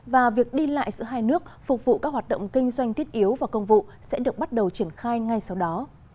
và việc đi lại giữa hai nước phục vụ các hoạt động kinh doanh thiết yếu và công vụ sẽ được bắt đầu triển khai ngay sau đó